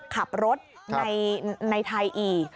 ขับรถในไทยอีก